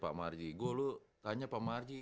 pak marji gue lo tanya pak marji